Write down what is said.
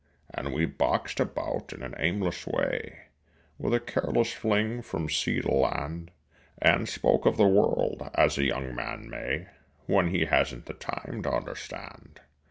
And we boxed about in an aimless way, With a careless fling from sea to land, And spoke of the world as a young man may When he hasn't the time to understand.